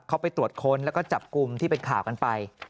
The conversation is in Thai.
เขาไปตรวจค้นแล้วก็จับกลุ่มที่เป็นข่าวกันไป